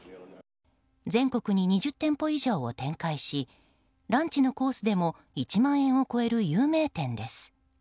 全国に２０店舗以上を展開しランチのコースでも１万円を超える有名店です。